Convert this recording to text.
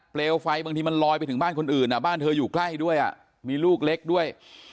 เปลวไฟบางทีมันลอยไปถึงบ้านคนอื่นบ้านเธออยู่ใกล้ด้วยมีลูกเล็กด้วย